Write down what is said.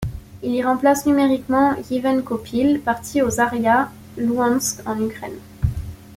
Il y remplace numériquement Yevhen Kopyl, parti au Zarya Louhansk en Ukraine.